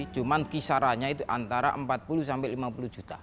cuma kisarannya itu antara rp empat puluh sampai rp lima puluh